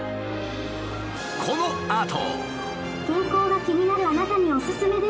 このあと。